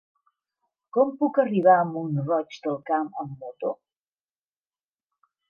Com puc arribar a Mont-roig del Camp amb moto?